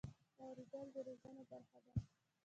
اورېدل د روزنې برخه ده.